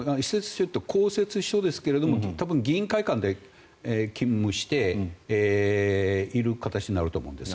公設秘書ですが多分、議員会館で勤務している形になると思うんです。